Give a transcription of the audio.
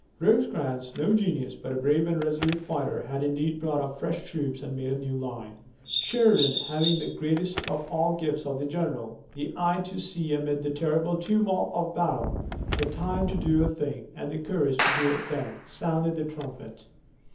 Rosecrans, no genius, but a brave and resolute fighter, had indeed brought up fresh troops and made a new line. Sheridan, having that greatest of all gifts of the general, the eye to see amid the terrible tumult of battle the time to do a thing, and the courage to do it then, sounded the trumpet.